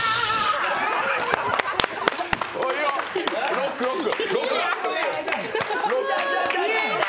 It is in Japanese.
ロック、ロック。